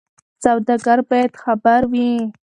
سوداګر باید خبر وي.